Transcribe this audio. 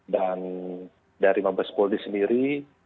dan dari nobles polri sendiri